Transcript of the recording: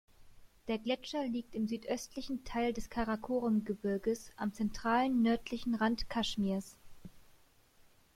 Der Gletscher liegt im südöstlichen Teil des Karakorum-Gebirges, am zentralen nördlichen Rand Kaschmirs.